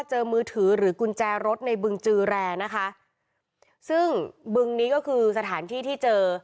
มือถือหรือกุญแจรถในบึงจือแรนะคะซึ่งบึงนี้ก็คือสถานที่ที่เจอ